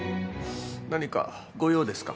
何かご用ですか？